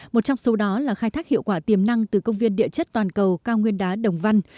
một trong số đó là khai thác hiệu quả tiềm năng từ công viên địa chất toàn cầu cao nguyên đá đồng văn